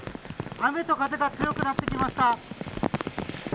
雨と風が強くなってきました。